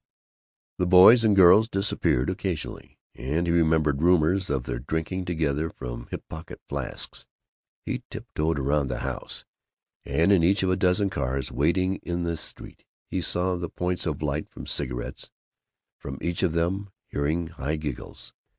The boys and girls disappeared occasionally, and he remembered rumors of their drinking together from hip pocket flasks. He tiptoed round the house, and in each of the dozen cars waiting in the street he saw the points of light from cigarettes, from each of them heard high giggles.